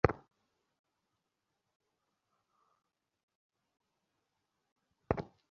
তিনি কার্ল মার্কসের এবং জেনি ফন ভস্টফালেনের দ্বিতীয় কন্যা ছিলেন।